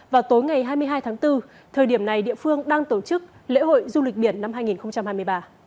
vào tối ngày hai mươi hai tháng bốn thời điểm này địa phương đang tổ chức lễ hội du lịch biển năm hai nghìn hai mươi ba